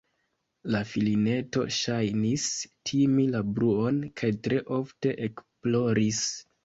La filineto ŝajnis timi la bruon kaj tre ofte ekploris.